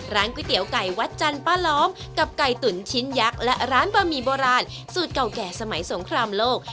ก๋วยเตี๋ยวไก่วัดจันทร์ป้าล้อมกับไก่ตุ๋นชิ้นยักษ์และร้านบะหมี่โบราณสูตรเก่าแก่สมัยสงครามโลก